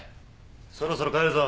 そろそろ帰るぞ。